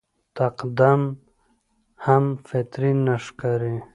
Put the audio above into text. تقدم هم فطري نه ښکاري.